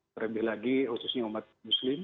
terlebih lagi khususnya umat muslim